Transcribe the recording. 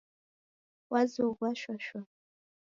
Wazoghua shwa shwa